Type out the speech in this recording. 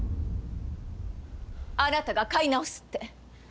あなたが買い直すって。